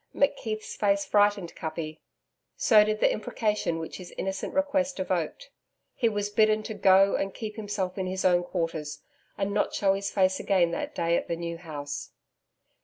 McKeith's face frightened Kuppi. So did the imprecation which his innocent request evoked. He was bidden to go and keep himself in his own quarters, and not show his face again that day at the New House.